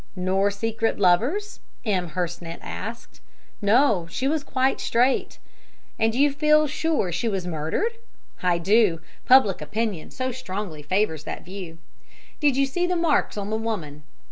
"Nor secret lovers?" M. Hersant asked. "No; she was quite straight." "And you feel sure she was murdered?" "I do. Public opinion so strongly favours that view." "Did you see the marks on the woman?"